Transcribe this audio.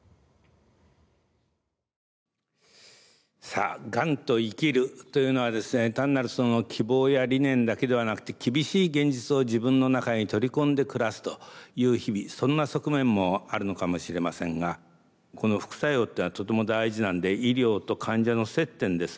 さあがんと生きるというのはですね単なるその希望や理念だけではなくて厳しい現実を自分の中に取り込んで暮らすという日々そんな側面もあるのかもしれませんがこの副作用ってのはとても大事なんで医療と患者の接点です。